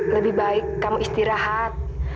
lebih baik kamu istirahat